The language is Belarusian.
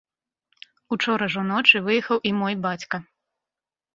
Учора ж уночы выехаў і мой бацька.